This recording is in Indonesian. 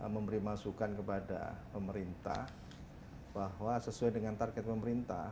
memberi masukan kepada pemerintah bahwa sesuai dengan target pemerintah